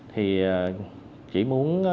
thì chỉ muốn